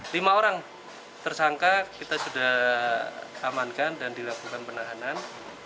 lima orang tersangka kita sudah amankan dan dilakukan penahanan